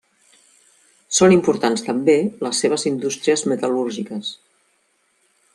Són importants també les seves indústries metal·lúrgiques.